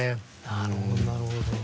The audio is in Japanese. なるほどなるほど。